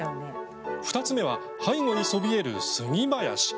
２つ目は背後にそびえる杉林。